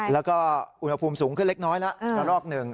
แล้วก็อุณหภูมิสูงขึ้นเล็กน้อยแล้วระลอกหนึ่ง